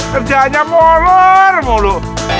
kerjanya molor bolu